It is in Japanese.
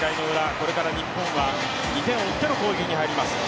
これから日本は２点を追っての攻撃に入ります。